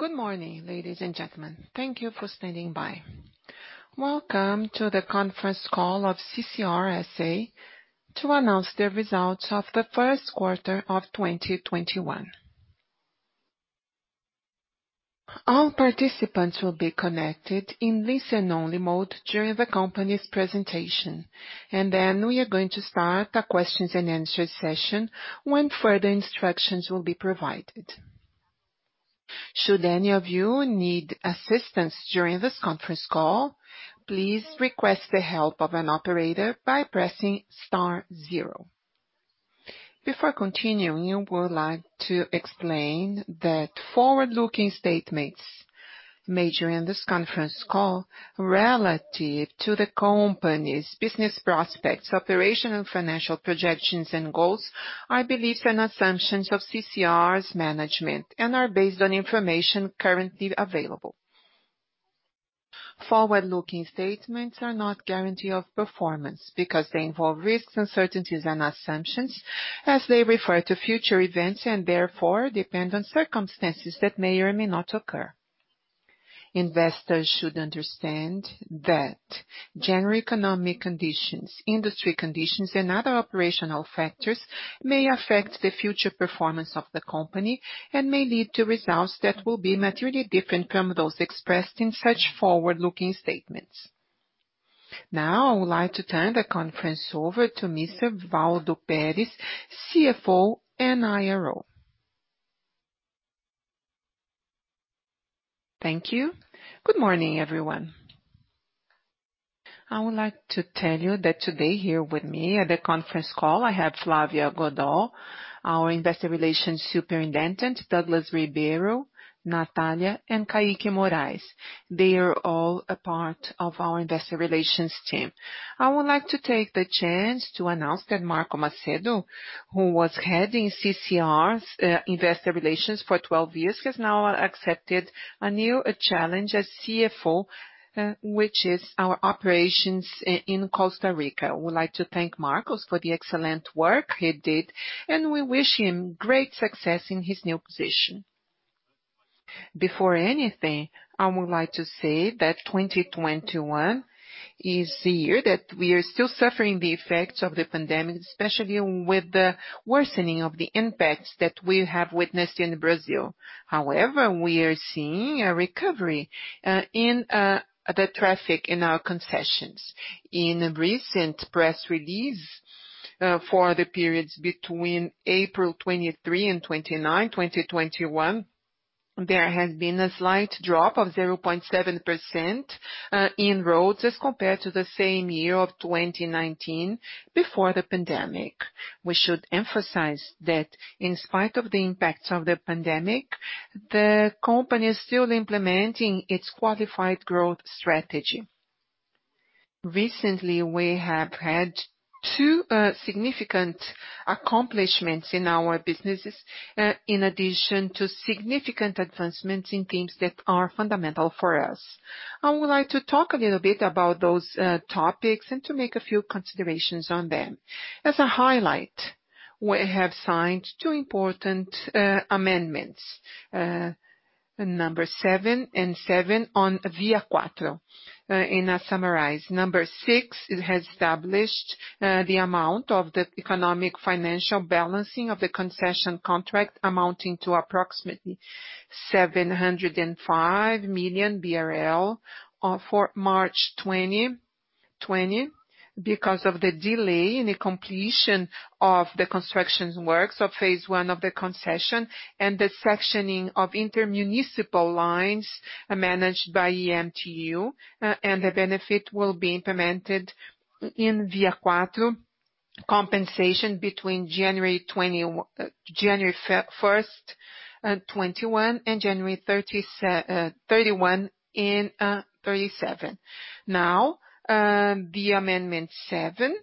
Good morning, ladies and gentlemen. Thank you for standing by. Welcome to the conference call of CCR S.A. to announce the results of Q1 2021. All participants will be connected in listen-only mode during the company's presentation, and then we are going to start a questions-and-answers session when further instructions will be provided. Should any of you need assistance during this conference call, please request the help of an operator by pressing star zero. Before continuing, we would like to explain that forward-looking statements made during this conference call relative to the company's business prospects, operation and financial projections and goals are beliefs and assumptions of CCR S.A.'s management and are based on information currently available. Forward-looking statements are not guarantee of performance because they involve risks, uncertainties, and assumptions as they refer to future events and therefore depend on circumstances that may or may not occur. Investors should understand that general economic conditions, industry conditions, and other operational factors may affect the future performance of the company and may lead to results that will be materially different from those expressed in such forward-looking statements. I would like to turn the conference over to Mr. Waldo Pérez, CFO and IRO. Thank you. Good morning, everyone. I would like to tell you that today here with me at the conference call, I have Flávia Godoy, our Investor Relations Superintendent, Douglas Ribeiro, Natalia, and Caíque Moraes. They are all a part of our investor relations team. I would like to take the chance to announce that Marcos Macedo, who was heading CCR's Investor Relations for 12 years, has now accepted a new challenge as CFO, which is our operations in Costa Rica. We would like to thank Marcos for the excellent work he did, and we wish him great success in his new position. Before anything, I would like to say that 2021 is the year that we are still suffering the effects of the pandemic, especially with the worsening of the impacts that we have witnessed in Brazil. However, we are seeing a recovery in the traffic in our concessions. In recent press release for the periods between April 23 and 29, 2021, there has been a slight drop of 0.7% in roads as compared to the same year of 2019 before the pandemic. We should emphasize that in spite of the impacts of the pandemic, the company is still implementing its qualified growth strategy. Recently, we have had two significant accomplishments in our businesses, in addition to significant advancements in things that are fundamental for us. I would like to talk a little bit about those topics and to make a few considerations on them. As a highlight, we have signed two important amendments, number six and seven on ViaQuatro. In summary, number six, it has established the amount of the economic financial balancing of the concession contract amounting to approximately 705 million BRL for March 2020 because of the delay in the completion of the construction works of phase I of the concession and the sectioning of intermunicipal lines managed by EMTU, and the benefit will be implemented in ViaQuatro compensation between January 1st, 2021, and January 31, 2037. The amendment seven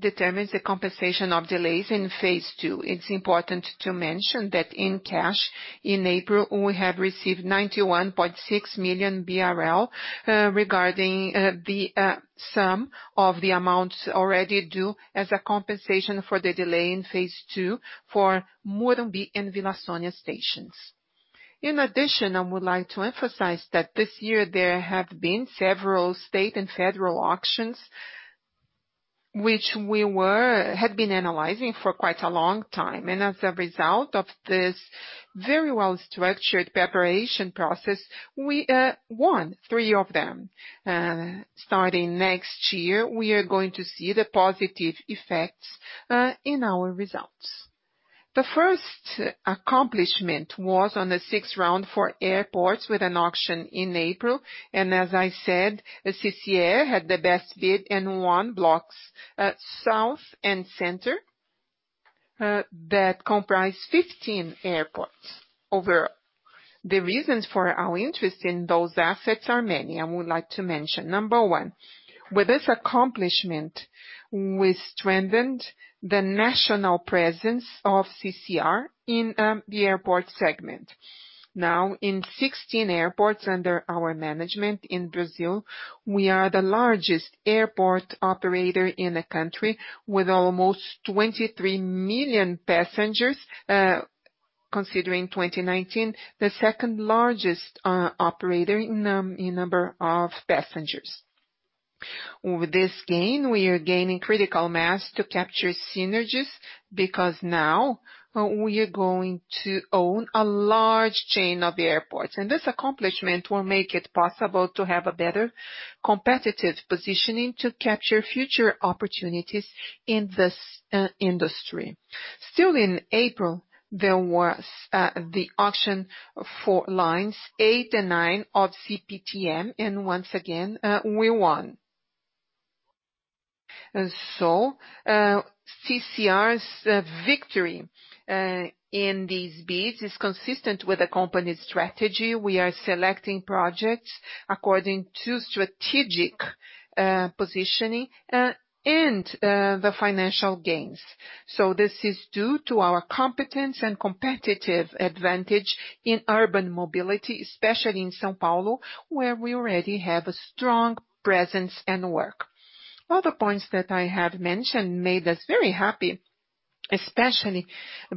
determines the compensation of delays in phase II. It is important to mention that in cash in April, we have received 91.6 million BRL, regarding the sum of the amounts already due as a compensation for the delay in phase II for Morumbi and Vila Sônia stations. In addition, I would like to emphasize that this year there have been several state and federal auctions, which we had been analyzing for quite a long time. As a result of this very well-structured preparation process, we won three of them. Starting next year, we are going to see the positive effects in our results. The first accomplishment was on the sixth round for airports with an auction in April, and as I said, CCR had the best bid and won blocks South and Center that comprise 15 airports overall. The reasons for our interest in those assets are many. I would like to mention, number one, with this accomplishment, we strengthened the national presence of CCR in the airport segment. Now in 16 airports under our management in Brazil, we are the largest airport operator in the country with almost 23 million passengers, considering 2019, the second largest operator in number of passengers. With this gain, we are gaining critical mass to capture synergies because now we are going to own a large chain of airports, and this accomplishment will make it possible to have a better competitive positioning to capture future opportunities in this industry. Still in April, there was the auction for lines 8 and 9 of CPTM, and once again, we won. CCR's victory in these bids is consistent with the company's strategy. We are selecting projects according to strategic positioning and the financial gains. This is due to our competence and competitive advantage in urban mobility, especially in São Paulo, where we already have a strong presence and work. All the points that I have mentioned made us very happy, especially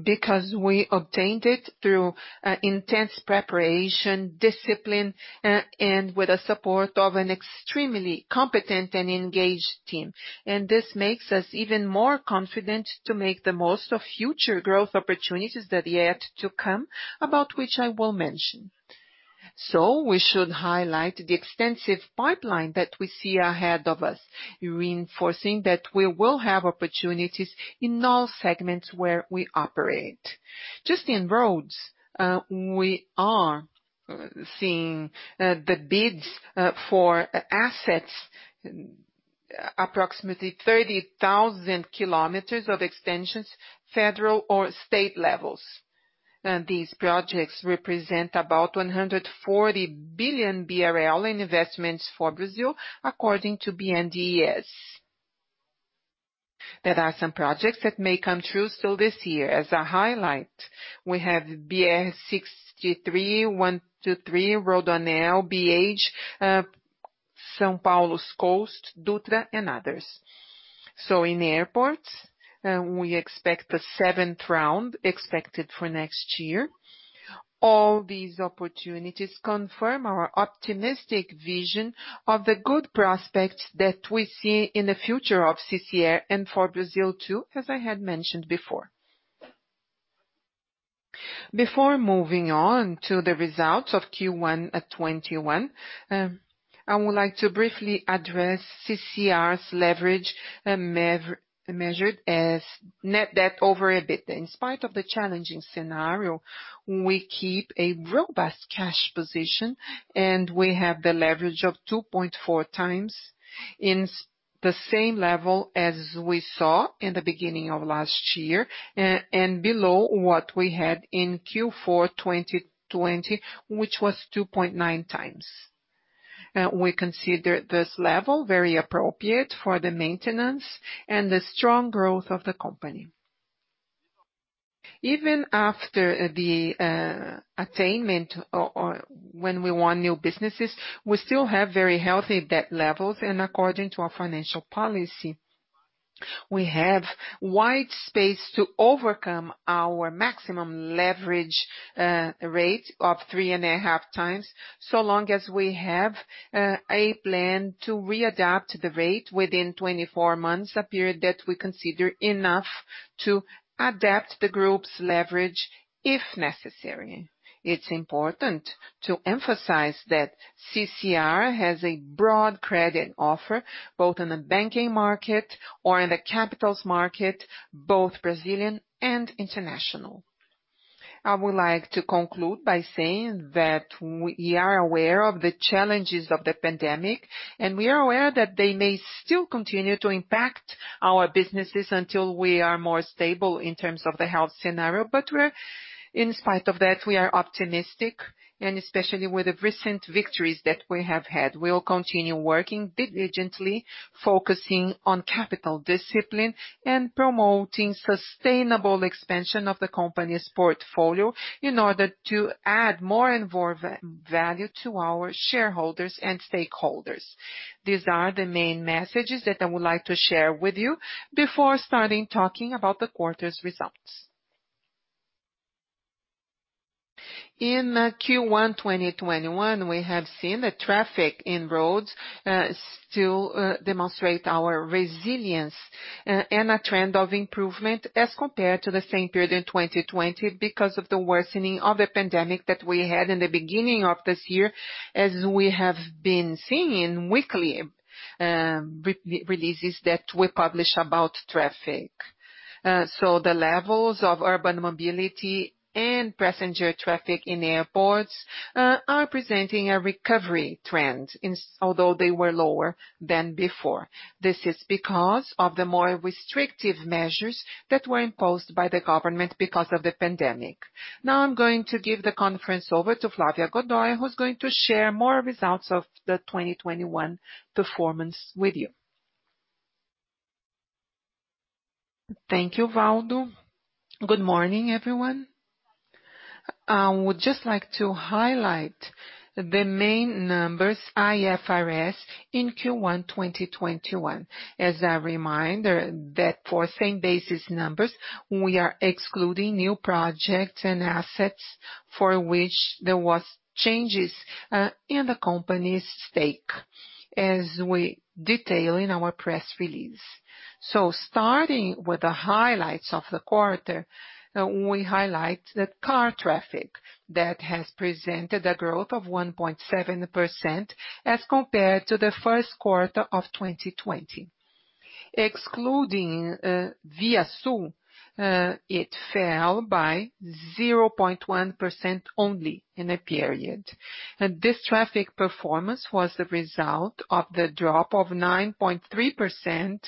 because we obtained it through intense preparation, discipline, and with the support of an extremely competent and engaged team. This makes us even more confident to make the most of future growth opportunities that are yet to come, about which I will mention. We should highlight the extensive pipeline that we see ahead of us, reinforcing that we will have opportunities in all segments where we operate. Just in roads, we are seeing the bids for assets, approximately 30,000 km of extensions, federal or state levels. These projects represent about 140 billion BRL in investments for Brazil, according to BNDES. There are some projects that may come true still this year. As a highlight, we have BR-381 Rodoanel, BH, São Paulo's coast, Dutra, and others. In airports, we expect a seventh round expected for next year. All these opportunities confirm our optimistic vision of the good prospects that we see in the future of CCR S.A. and for Brazil too, as I had mentioned before. Before moving on to the results of Q1 2021, I would like to briefly address CCR S.A.'s leverage, measured as net debt over EBITDA. In spite of the challenging scenario, we keep a robust cash position, and we have the leverage of 2.4x, in the same level as we saw in the beginning of last year and below what we had in Q4 2020, which was 2.9x. We consider this level very appropriate for the maintenance and the strong growth of the company. Even after the attainment or when we won new businesses, we still have very healthy debt levels and according to our financial policy. We have wide space to overcome our maximum leverage rate of three and a half times, so long as we have a plan to readapt the rate within 24 months, a period that we consider enough to adapt the group's leverage if necessary. It's important to emphasize that CCR has a broad credit offer, both in the banking market or in the capitals market, both Brazilian and international. I would like to conclude by saying that we are aware of the challenges of the pandemic, and we are aware that they may still continue to impact our businesses until we are more stable in terms of the health scenario. In spite of that, we are optimistic, and especially with the recent victories that we have had. We will continue working diligently, focusing on capital discipline and promoting sustainable expansion of the company's portfolio in order to add more and more value to our shareholders and stakeholders. These are the main messages that I would like to share with you before starting talking about the quarter's results. In Q1 2021, we have seen the traffic in roads still demonstrate our resilience and a trend of improvement as compared to the same period in 2020 because of the worsening of the pandemic that we had in the beginning of this year, as we have been seeing weekly releases that we publish about traffic. The levels of urban mobility and passenger traffic in airports are presenting a recovery trend, although they were lower than before. This is because of the more restrictive measures that were imposed by the government because of the pandemic. Now I'm going to give the conference over to Flávia Godoy, who's going to share more results of the 2021 performance with you. Thank you, Waldo. Good morning, everyone. I would just like to highlight the main numbers, IFRS, in Q1 2021. As a reminder, that for same basis numbers, we are excluding new projects and assets for which there was changes in the company's stake, as we detail in our press release. Starting with the highlights of the quarter, we highlight the car traffic that has presented a growth of 1.7% as compared to the first quarter of 2020. Excluding CCR ViaSul, it fell by 0.1% only in the period. This traffic performance was a result of the drop of 9.3%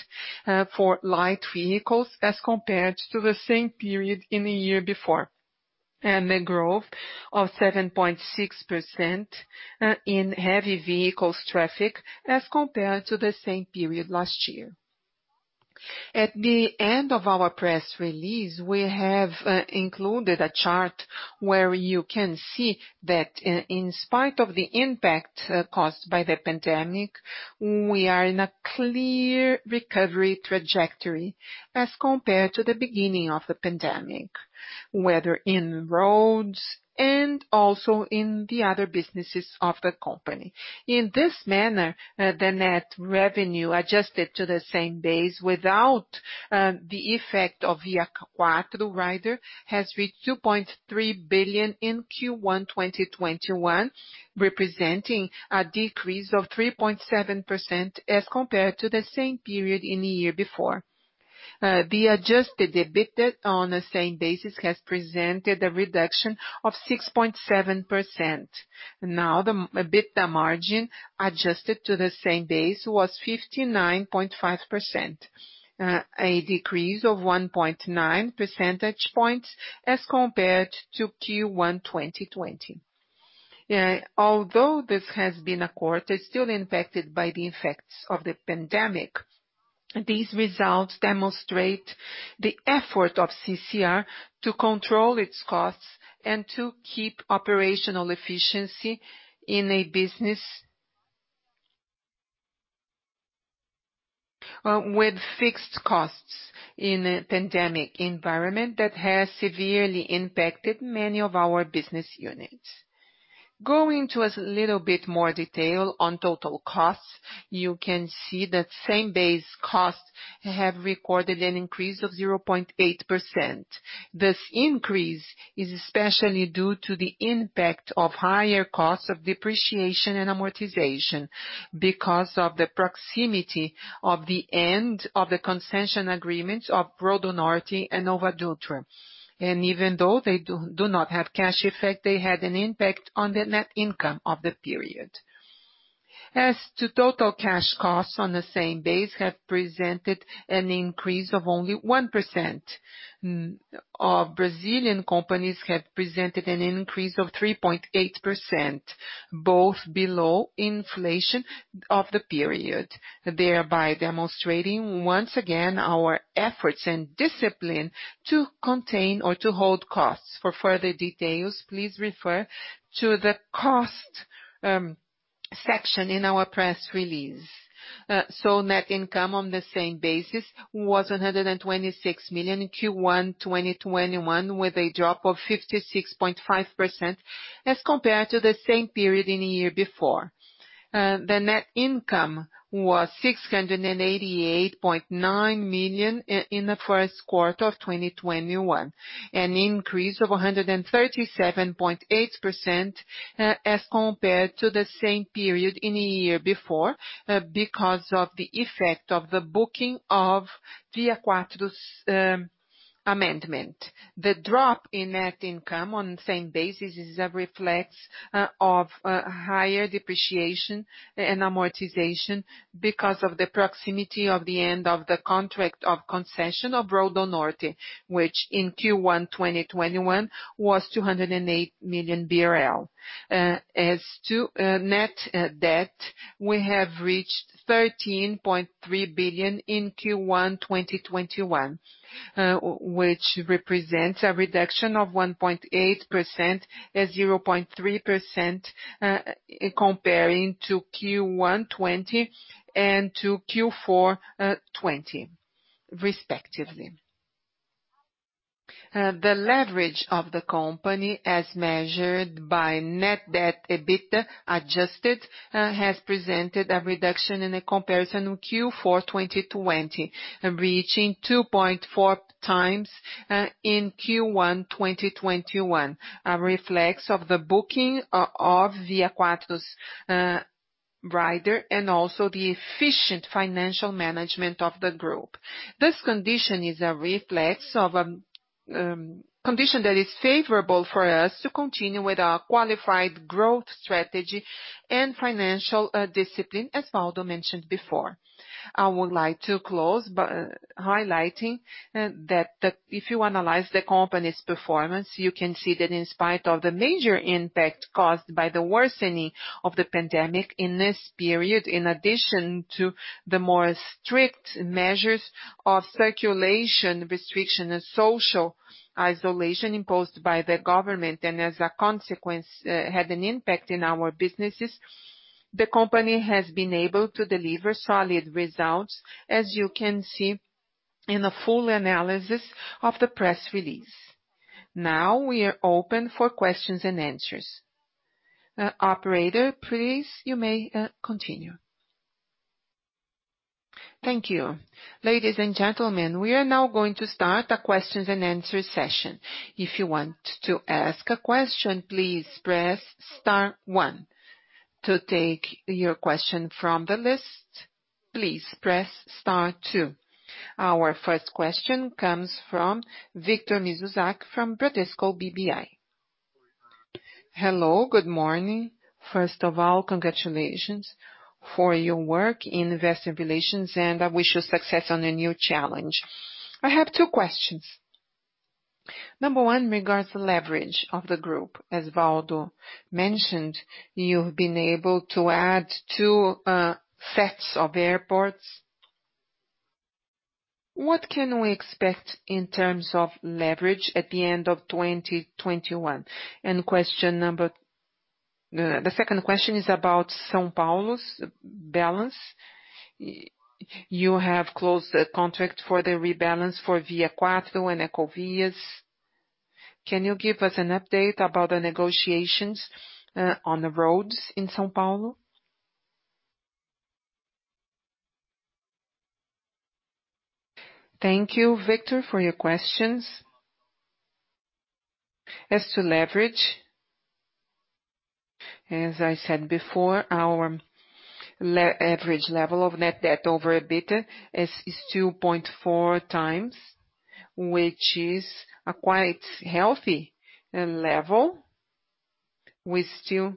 for light vehicles as compared to the same period in the year before, and a growth of 7.6% in heavy vehicles traffic as compared to the same period last year. At the end of our press release, we have included a chart where you can see that in spite of the impact caused by the pandemic, we are in a clear recovery trajectory as compared to the beginning of the pandemic, whether in roads and also in the other businesses of the company. In this manner, the net revenue adjusted to the same base without the effect of ViaQuatro rider has reached 2.3 billion in Q1 2021, representing a decrease of 3.7% as compared to the same period in the year before. The adjusted EBITDA on the same basis has presented a reduction of 6.7%. The EBITDA margin adjusted to the same base was 59.5%, a decrease of 1.9 percentage points as compared to Q1 2020. Although this has been a quarter still impacted by the effects of the pandemic, these results demonstrate the effort of CCR to control its costs and to keep operational efficiency in a business with fixed costs in a pandemic environment that has severely impacted many of our business units. Going into a little bit more detail on total costs, you can see that same base costs have recorded an increase of 0.8%. This increase is especially due to the impact of higher costs of depreciation and amortization because of the proximity of the end of the concession agreement of RodoNorte and NovaDutra. Even though they do not have cash effect, they had an impact on the net income of the period. To total cash costs on the same base have presented an increase of only 1%. Our Brazilian companies have presented an increase of 3.8%, both below inflation of the period, thereby demonstrating once again our efforts and discipline to contain or to hold costs. For further details, please refer to the cost section in our press release. Net income on the same basis was 126 million in Q1 2021, with a drop of 56.5% as compared to the same period in the year before. The net income was 688.9 million in the first quarter of 2021, an increase of 137.8% as compared to the same period in the year before because of the effect of the booking of ViaQuatro's amendment. The drop in net income on the same basis is a reflex of higher depreciation and amortization because of the proximity of the end of the contract of concession of RodoNorte, which in Q1 2021 was 208 million BRL. As to net debt, we have reached 13.3 billion in Q1 2021, which represents a reduction of 1.8% and 0.3% comparing to Q1 2020 and to Q4 2020, respectively. The leverage of the company, as measured by net debt EBITDA adjusted, has presented a reduction in comparison with Q4 2020, reaching 2.4x in Q1 2021, a reflex of the booking of ViaQuatro's rider and also the efficient financial management of the group. This condition is a reflex of a condition that is favorable for us to continue with our qualified growth strategy and financial discipline, as Waldo mentioned before. I would like to close by highlighting that if you analyze the company's performance, you can see that in spite of the major impact caused by the worsening of the pandemic in this period, in addition to the more strict measures of circulation restriction and social isolation imposed by the government, and as a consequence, had an impact in our businesses, the company has been able to deliver solid results, as you can see in a full analysis of the press release. We are open for questions and answers. Operator, please, you may continue. Thank you. Ladies and gentlemen, we are now going to start a questions-and-answers session. If you want to ask a question, please press star one. To take your question from the list, please press star two. Our first question comes from Victor Mizusaki from Bradesco BBI. Hello, good morning. First of all, congratulations for your work in investor relations, and I wish you success on the new challenge. I have two questions. Number one regards the leverage of the group. As Waldo mentioned, you've been able to add two sets of airports. What can we expect in terms of leverage at the end of 2021? The second question is about São Paulo's balance. You have closed a contract for the rebalance for ViaQuatro and Ecovias. Can you give us an update about the negotiations on the roads in São Paulo? Thank you, Victor, for your questions. As to leverage, as I said before, our average level of net debt over EBITDA is 2.4x, which is a quite healthy level. We still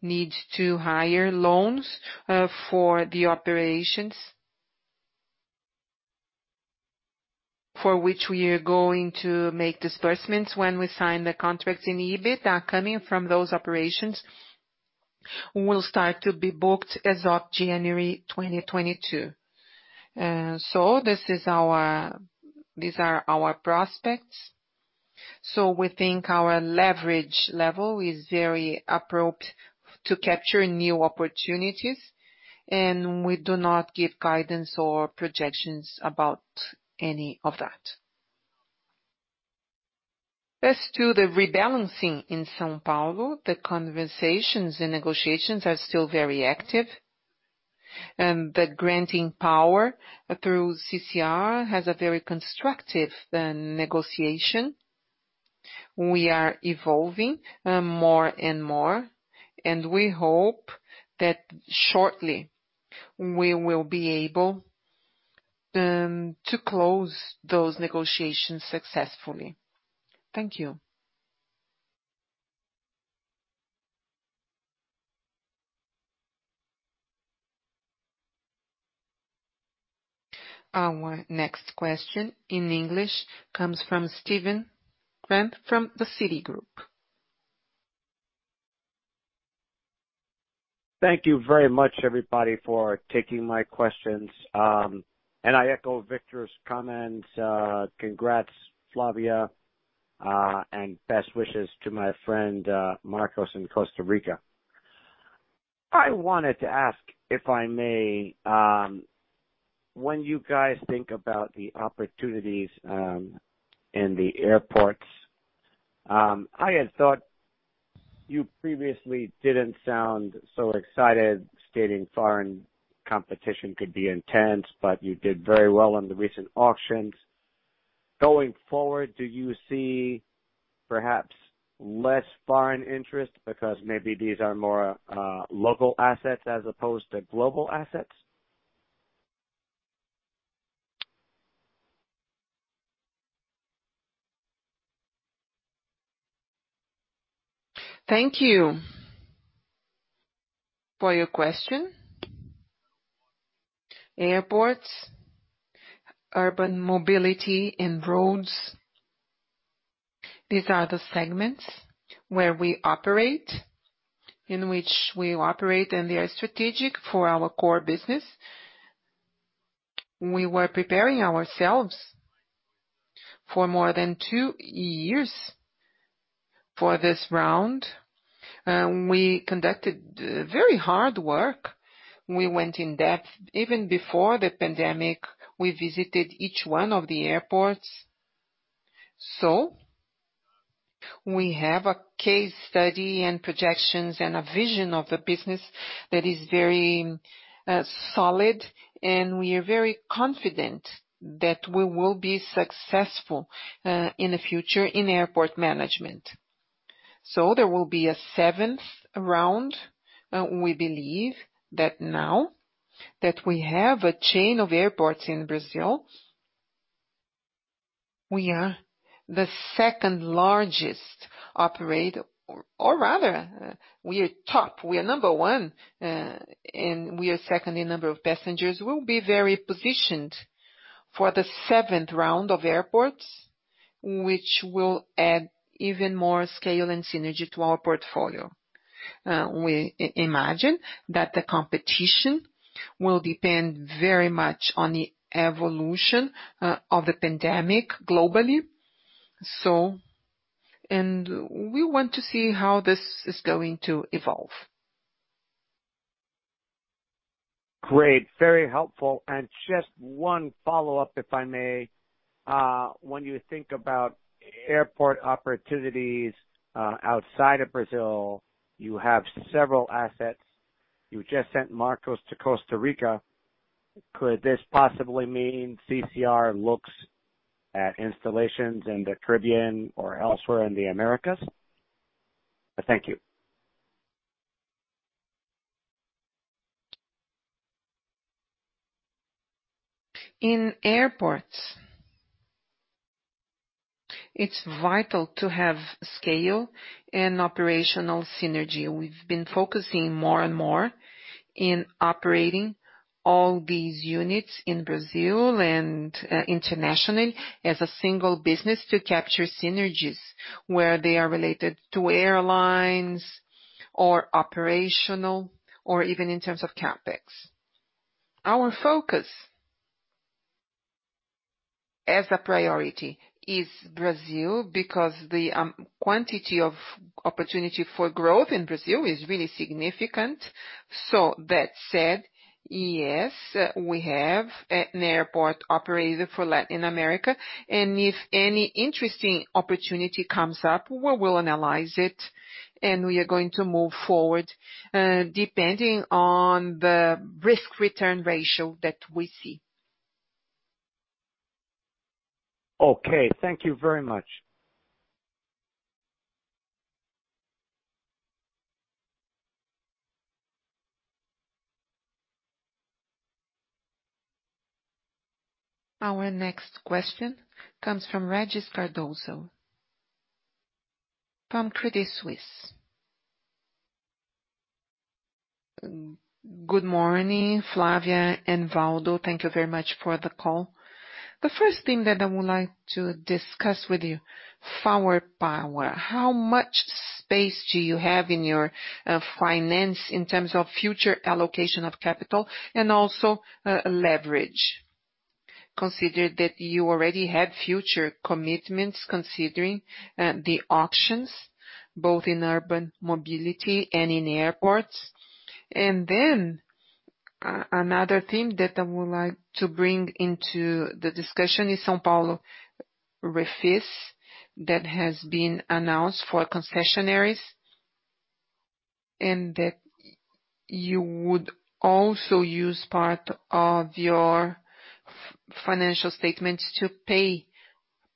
need to hire loans for the operations for which we are going to make disbursements when we sign the contracts in EBITDA coming from those operations will start to be booked as of January 2022. These are our prospects. We think our leverage level is very appropriate to capture new opportunities, and we do not give guidance or projections about any of that. As to the rebalancing in São Paulo, the conversations and negotiations are still very active, and the granting power through CCR has a very constructive negotiation. We are evolving more and more, and we hope that shortly we will be able to close those negotiations successfully. Thank you. Our next question in English comes from Stephen Trent from the Citigroup. Thank you very much, everybody, for taking my questions. I echo Victor's comment. Congrats, Flávia, and best wishes to my friend, Marcos in Costa Rica. I wanted to ask, if I may, when you guys think about the opportunities in the airports, I had thought you previously didn't sound so excited, stating foreign competition could be intense, but you did very well in the recent auctions. Going forward, do you see perhaps less foreign interest because maybe these are more local assets as opposed to global assets? Thank you for your question. Airports, urban mobility and roads, these are the segments where we operate, in which we operate, and they are strategic for our core business. We were preparing ourselves for more than two years for this round. We conducted very hard work. We went in depth. Even before the pandemic, we visited each one of the airports. We have a case study and projections and a vision of the business that is very solid, and we are very confident that we will be successful in the future in airport management. There will be a seventh round. We believe that now that we have a chain of airports in Brazil, we are the second largest operator, or rather, we are top, we are number one, and we are second in number of passengers. We'll be very positioned for the seventh round of airports, which will add even more scale and synergy to our portfolio. We imagine that the competition will depend very much on the evolution of the pandemic globally. We want to see how this is going to evolve. Great. Very helpful. Just one follow-up, if I may. When you think about airport opportunities outside of Brazil, you have several assets. You've just sent Marcos to Costa Rica. Could this possibly mean CCR looks at installations in the Caribbean or elsewhere in the Americas? Thank you. In airports, it's vital to have scale and operational synergy. We've been focusing more and more on operating all these units in Brazil and internationally as a single business to capture synergies, where they are related to airlines or operational, or even in terms of CapEx. Our focus as a priority is Brazil, because the quantity of opportunity for growth in Brazil is really significant. That said, yes, we have an airport operator for Latin America, and if any interesting opportunity comes up, we will analyze it, and we are going to move forward, depending on the risk-return ratio that we see. Okay. Thank you very much. Our next question comes from Régis Cardoso from Credit Suisse. Good morning, Flávia and Waldo. Thank you very much for the call. The first thing that I would like to discuss with you, firepower. How much space do you have in your finance in terms of future allocation of capital and also leverage? Considering that you already have future commitments, considering the auctions, both in urban mobility and in airports. Another thing that I would like to bring into the discussion is São Paulo Refis that has been announced for concessionaires, and that you would also use part of your financial statements to pay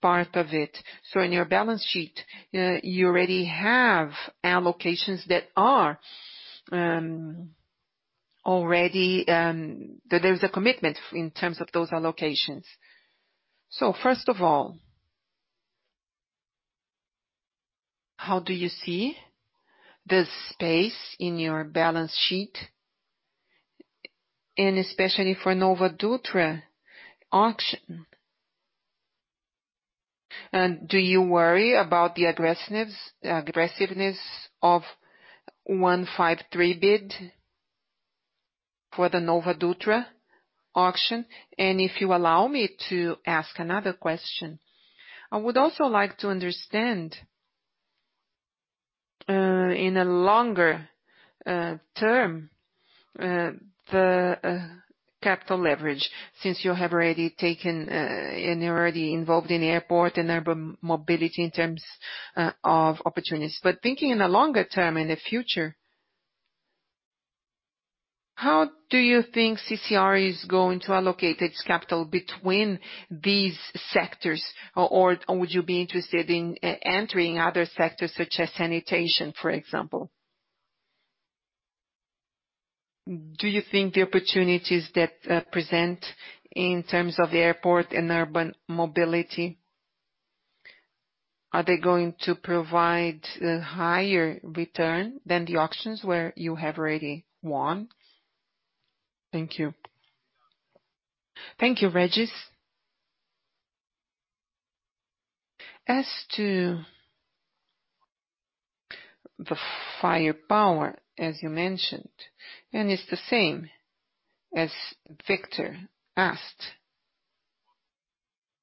part of it. On your balance sheet, you already have allocations that there's a commitment in terms of those allocations. First of all, how do you see the space in your balance sheet, and especially for NovaDutra auction? Do you worry about the aggressiveness of 15.31% bid for the NovaDutra auction? If you allow me to ask another question, I would also like to understand, in a longer term, the capital leverage, since you have already taken and you're already involved in airport and urban mobility in terms of opportunities. Thinking in a longer term, in the future, how do you think CCR is going to allocate its capital between these sectors? Would you be interested in entering other sectors such as sanitation, for example? Do you think the opportunities that present in terms of the airport and urban mobility, are they going to provide a higher return than the auctions where you have already won? Thank you. Thank you, Régis. As to the firepower, as you mentioned, and it's the same as Victor asked.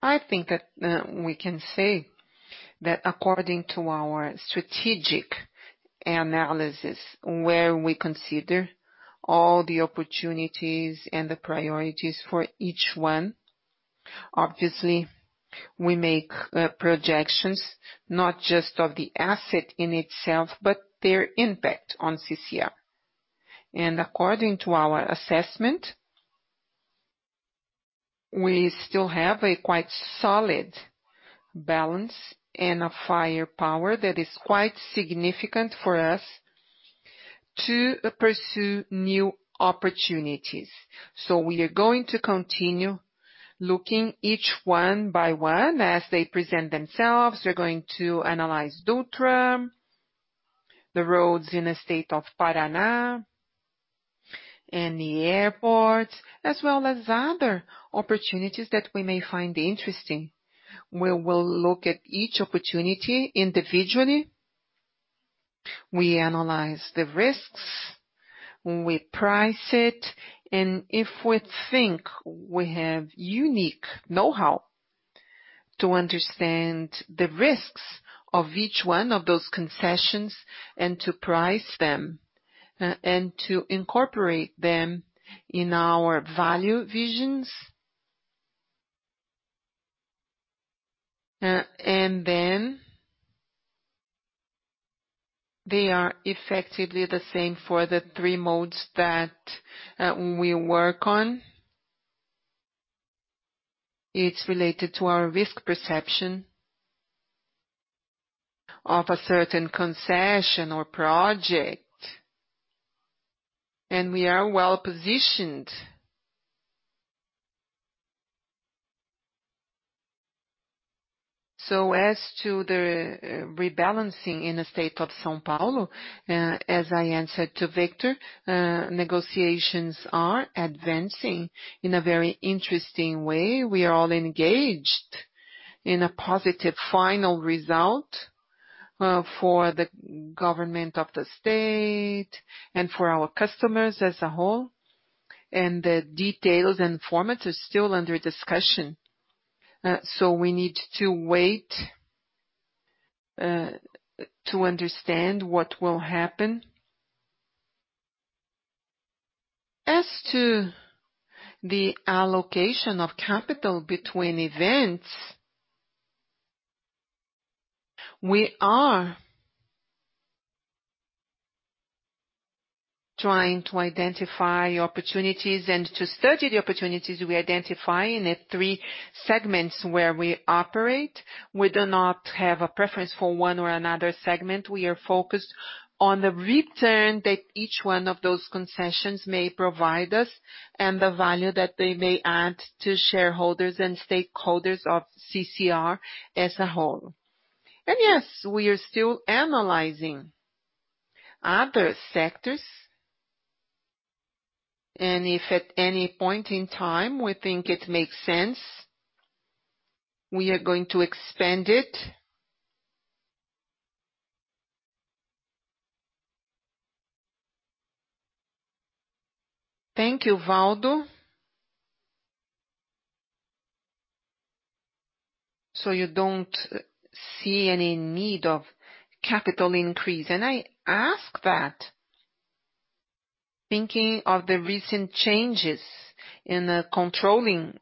I think that we can say that according to our strategic analysis, where we consider all the opportunities and the priorities for each one, obviously, we make projections, not just of the asset in itself, but their impact on CCR. According to our assessment, we still have a quite solid balance and a firepower that is quite significant for us to pursue new opportunities. We are going to continue looking each one by one as they present themselves. We're going to analyze Dutra, the roads in the state of Paraná, and the airports, as well as other opportunities that we may find interesting. We will look at each opportunity individually. We analyze the risks, we price it, and if we think we have unique know-how to understand the risks of each one of those concessions and to price them, and to incorporate them in our value visions. They are effectively the same for the three modes that we work on. It's related to our risk perception of a certain concession or project, and we are well-positioned. As to the rebalancing in the state of São Paulo, as I answered to Victor, negotiations are advancing in a very interesting way. We are all engaged in a positive final result for the government of the state and for our customers as a whole, and the details and format is still under discussion. We need to wait to understand what will happen. As to the allocation of capital between events, we are trying to identify opportunities and to study the opportunities we identify in the three segments where we operate. We do not have a preference for one or another segment. We are focused on the return that each one of those concessions may provide us and the value that they may add to shareholders and stakeholders of CCR as a whole. Yes, we are still analyzing other sectors, and if at any point in time we think it makes sense, we are going to expand it. Thank you, Waldo. You don't see any need of capital increase. I ask that thinking of the recent changes in a controlling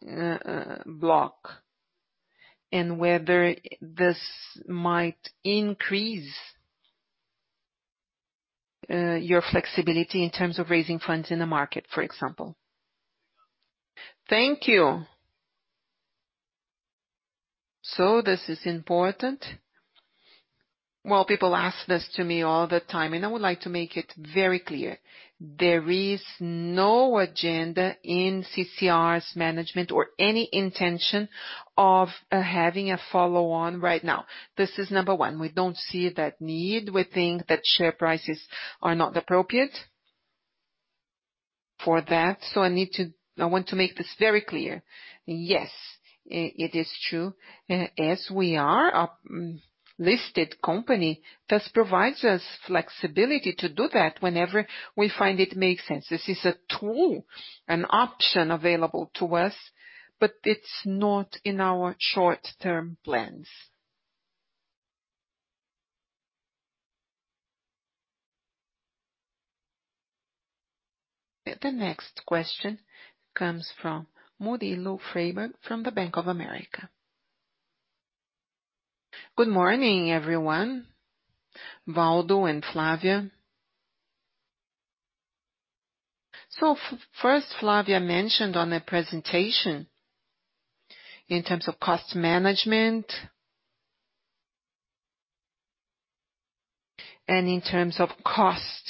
block, and whether this might increase your flexibility in terms of raising funds in the market, for example. Thank you. This is important. Well, people ask this to me all the time, and I would like to make it very clear. There is no agenda in CCR's management or any intention of having a follow-on right now. This is number one. We don't see that need. We think that share prices are not appropriate for that. I want to make this very clear. Yes, it is true. As we are a listed company, this provides us flexibility to do that whenever we find it makes sense. This is a tool, an option available to us, but it's not in our short-term plans. The next question comes from Murilo Freire from the Bank of America. Good morning, everyone. Waldo and Flávia. First, Flávia mentioned on the presentation in terms of cost management and in terms of cost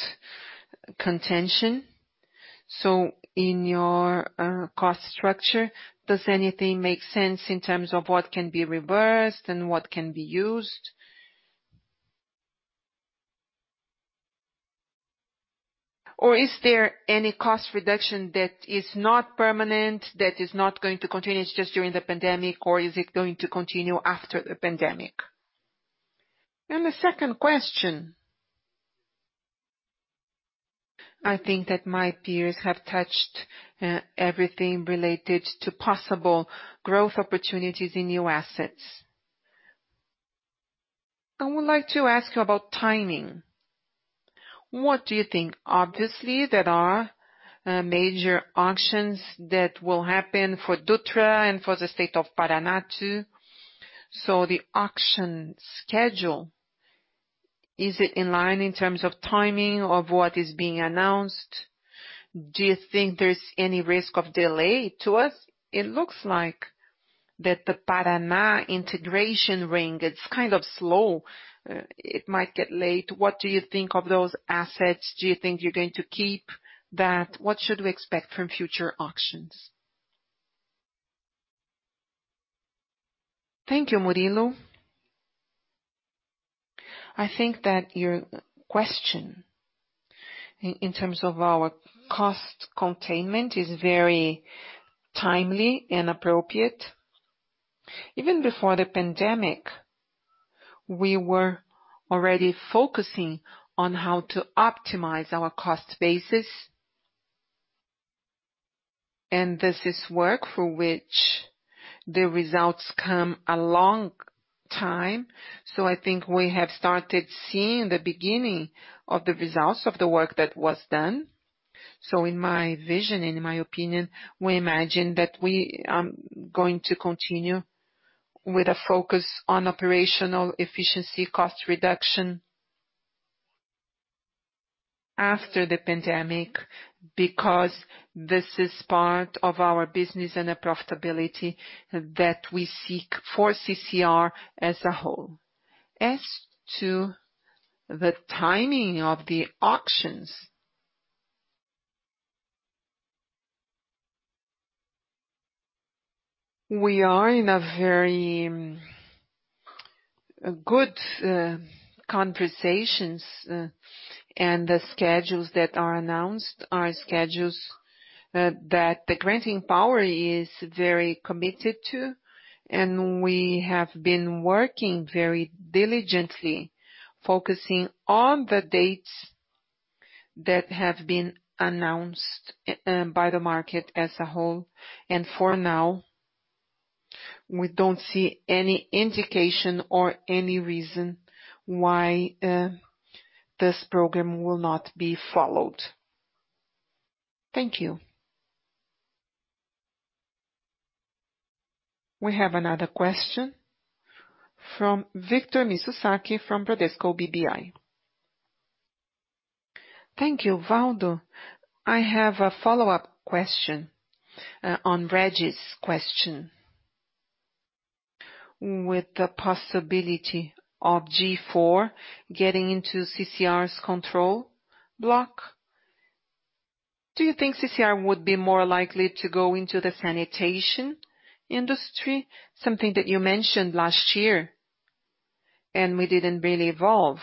contention. In your cost structure, does anything make sense in terms of what can be reversed and what can be used? Is there any cost reduction that is not permanent, that is not going to continue, it's just during the pandemic, or is it going to continue after the pandemic? The second question, I think that my peers have touched everything related to possible growth opportunities in new assets. I would like to ask about timing. What do you think? Obviously, there are major auctions that will happen for Dutra and for the state of Paraná. The auction schedule, is it in line in terms of timing of what is being announced? Do you think there's any risk of delay? To us, it looks like that the Paraná Integration Lots, it's kind of slow. It might get late. What do you think of those assets? Do you think you're going to keep that? What should we expect from future auctions? Thank you, Murilo. I think that your question in terms of our cost containment is very timely and appropriate. Even before the pandemic, we were already focusing on how to optimize our cost basis. This is work for which the results come a long time. I think we have started seeing the beginning of the results of the work that was done. In my vision, in my opinion, we imagine that we are going to continue with a focus on operational efficiency cost reduction after the pandemic, because this is part of our business and the profitability that we seek for CCR as a whole. As to the timing of the auctions, we are in a very good conversations, and the schedules that are announced are schedules that the granting power is very committed to, and we have been working very diligently, focusing on the dates that have been announced by the market as a whole. For now, we don't see any indication or any reason why this program will not be followed. Thank you. We have another question from Victor Mizusaki from Bradesco BBI. Thank you, Waldo. I have a follow-up question on Régis's question. With the possibility of IG4 getting into CCR's control block, do you think CCR would be more likely to go into the sanitation industry? Something that you mentioned last year, we didn't really evolve.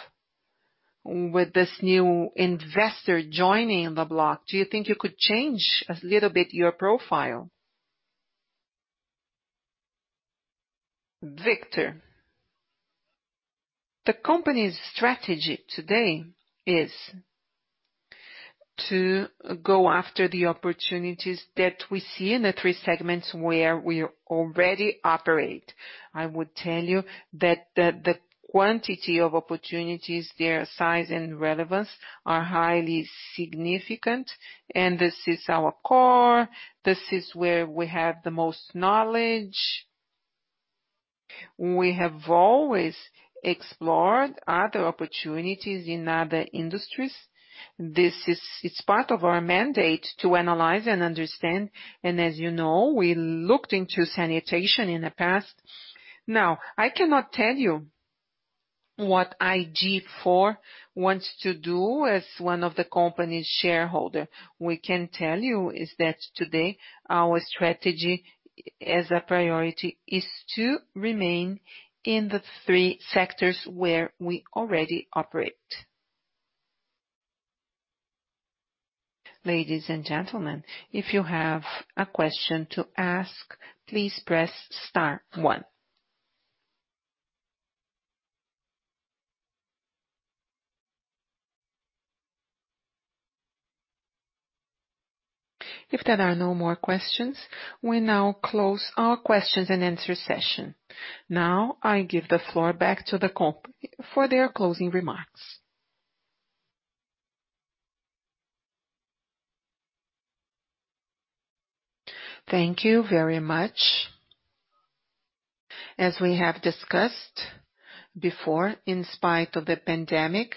With this new investor joining the block, do you think you could change a little bit your profile? Victor, the company's strategy today is to go after the opportunities that we see in the three segments where we already operate. I would tell you that the quantity of opportunities, their size and relevance are highly significant, this is our core. This is where we have the most knowledge. We have always explored other opportunities in other industries. This is part of our mandate to analyze and understand, and as you know, we looked into sanitation in the past. Now, I cannot tell you what IG4 wants to do as one of the company's shareholder. We can tell you is that today our strategy as a priority is to remain in the three sectors where we already operate. Ladies and gentlemen, if you have a question to ask, please press star one. If there are no more questions, we now close our questions-and-answer session. Now I give the floor back to the company for their closing remarks. Thank you very much. As we have discussed before, in spite of the pandemic,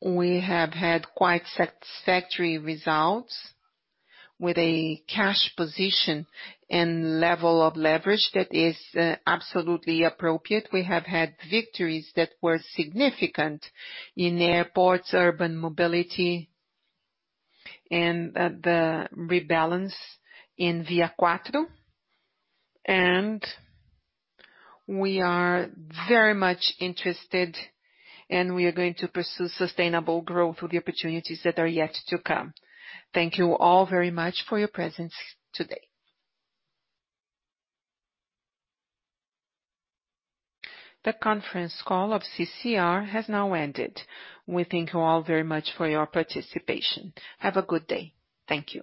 we have had quite satisfactory results with a cash position and level of leverage that is absolutely appropriate. We have had victories that were significant in airports, urban mobility, and the rebalance in ViaQuatro, and we are very much interested, and we are going to pursue sustainable growth of the opportunities that are yet to come. Thank you all very much for your presence today. The conference call of CCR S.A. has now ended. We thank you all very much for your participation. Have a good day. Thank you.